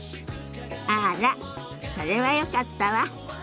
あらそれはよかったわ。